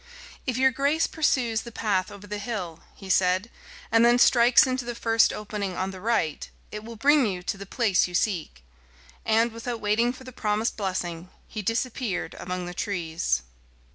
"If your grace pursues the path over the hill," he said, "and then strikes into the first opening on the right, it will bring you to the place you seek." And, without waiting for the promised blessing, he disappeared among the trees.